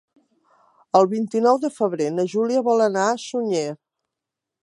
El vint-i-nou de febrer na Júlia vol anar a Sunyer.